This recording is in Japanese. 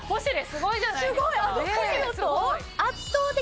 すごいじゃないですか。